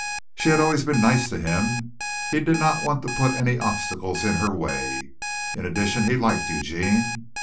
She had always been nice to him. He did not want to put any obstacles in her way. In addition, he liked Eugene.